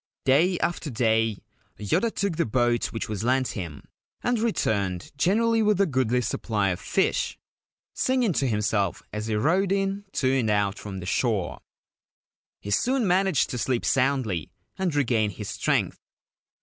Day after day Yoda took the boat which was lent him, and returned generally with a goodly supply of fish, singing to himself as he rowed in to and out from the shore. He soon managed to sleep soundly and regain his strength.